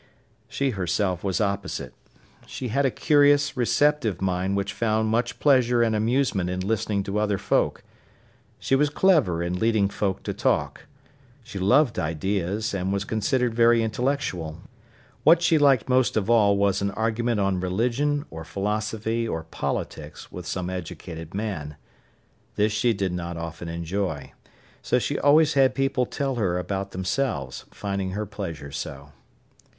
She herself was opposite. She had a curious, receptive mind which found much pleasure and amusement in listening to other folk. She was clever in leading folk to talk. She loved ideas, and was considered very intellectual. What she liked most of all was an argument on religion or philosophy or politics with some educated man. This she did not often enjoy. So she always had people tell her about themselves, finding her pleasure so.